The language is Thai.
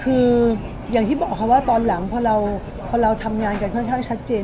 คืออย่างที่บอกค่ะว่าตอนหลังพอเราทำงานกันค่อนข้างชัดเจน